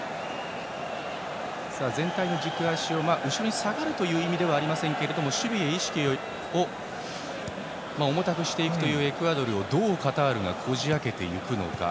全体の軸足を後ろに下がるわけではありませんが守備へ意識を重たくしていくエクアドルをどうカタールがこじ開けていくのか。